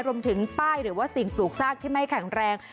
รวมถึงป้ายหรือว่าสิ่งปลูกซากที่ไม่แข็งแรง